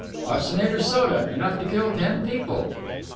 "Arsenate of soda, enough to kill ten people."